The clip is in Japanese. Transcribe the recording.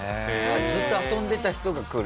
ずっと遊んでた人が来る？